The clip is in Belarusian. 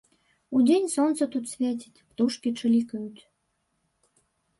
Удзень сонца тут свеціць, птушкі чылікаюць.